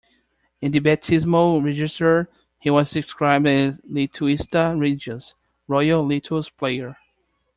In the baptismal register he was described as "Lituista Regius"-"royal lituus player".